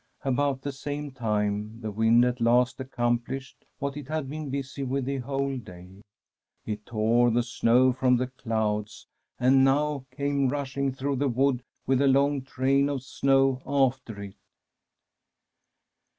About the same time the wind at last accom plished what it had been busy with the whole day : it tore the snow from the clouds, and now came rushing through the wood with a long train of snow after it.